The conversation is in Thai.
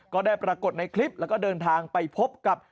ก็ได้ปรากฏในคลิปแล้วก็เดินทางไปพบกับ